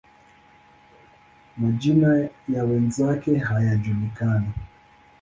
Majina ya wenzake hayajulikani.